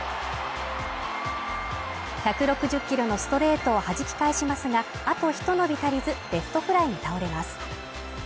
１６０キロのストレートをはじき返しますが、あとひと伸び足りずレフトフライに倒れます。